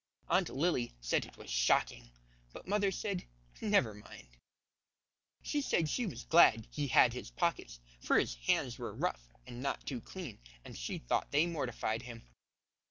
Aunt Lilly said it was shocking. But mother said, 'Never mind.' She said she was glad he had his pockets; for his hands were rough and not too clean, and she thought they mortified him.